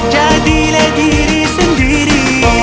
jadilah diri sendiri